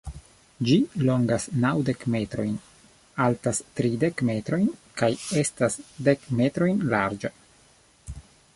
Ĝi longas naŭdek metrojn, altas tridek metrojn kaj estas dek-metrojn larĝa.